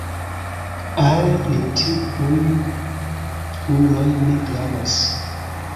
Al li tiuj uloj ne gravas.